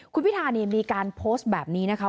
คุณพิธามีการโพสต์แบบนี้นะคะ